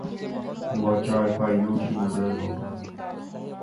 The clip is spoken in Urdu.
وہ چارپائیوں کی نذر ہو گیا